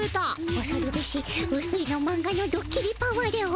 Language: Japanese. おそるべしうすいのマンガのドッキリパワーでおじゃる。